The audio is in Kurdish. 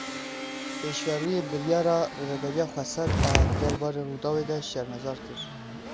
Pêşverûyê biryara Rêveberiya Xweser a derbarê Rûdawê de şermezar kir.